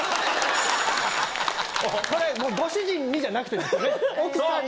これ、ご主人にじゃなくてよね。